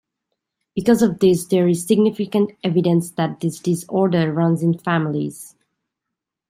Because of this, there is significant evidence that this disorder runs in families.